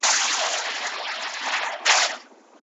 هر عيب لټوونکي ته هلاکت وي.